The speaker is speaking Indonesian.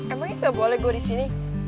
emangnya gue nggak boleh di sini